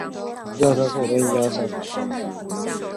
长喙毛茛泽泻为泽泻科毛茛泽泻属的植物。